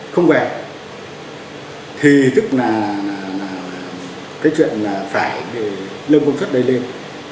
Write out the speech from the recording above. không vẻ thì tức là cái chuyện phải lương công suất đầy lên